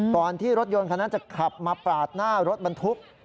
ก่อนที่รถยนต์คันนั้นจะขับมาปาดหน้ารถบรรทุก